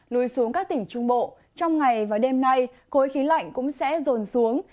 lùi xuống các tỉnh trung bộ trong ngày và đêm nay khối khí lạnh cũng sẽ rồn xuống